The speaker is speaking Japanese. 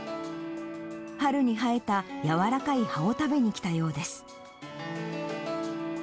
春に生えた軟らかい歯を食べにきたようです。